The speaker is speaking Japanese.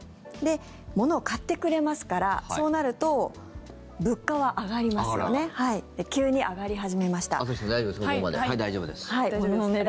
物を買ってくれますからそうなると物価は上がりますよね。